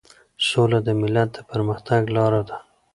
سوله د ملت د پرمختګ لار ده.